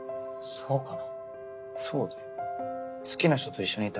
そうかな。